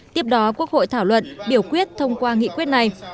tiếp đó quốc hội thảo luận biểu quyết thông qua nghị quyết này